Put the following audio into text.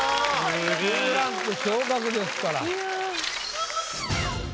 ２ランク昇格ですから。